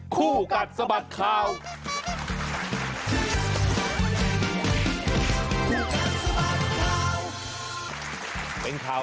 คู่กัดสะบัดข่าว